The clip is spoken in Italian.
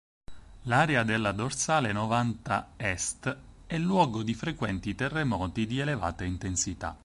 L'area della dorsale Novanta Est è luogo di frequenti terremoti di elevata intensità.